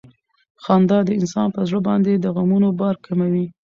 خندا د انسان پر زړه باندې د غمونو بار کموي.